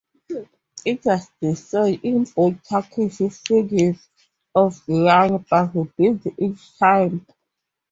It was destroyed in both Turkish sieges of Vienna, but rebuilt each time.